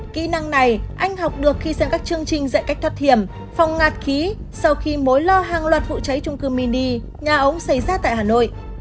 kỹ năng này anh học được khi xem các chương trình dạy cách thoát hiểm phòng ngạt khí sau khi mối lo hàng loạt vụ cháy trung cư mini nhà ống xảy ra tại hà nội